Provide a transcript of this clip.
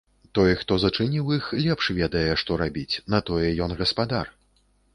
Той, хто зачыніў іх, лепш ведае, што рабіць, на тое ён гаспадар.